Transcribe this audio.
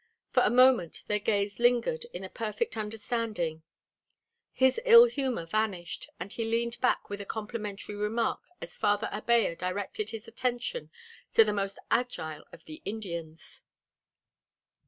For a moment their gaze lingered in a perfect understanding; his ill humor vanished, and he leaned back with a complimentary remark as Father Abella directed his attention to the most agile of the Indians.